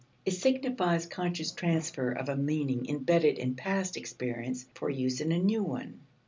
It signifies conscious transfer of a meaning embedded in past experience for use in a new one.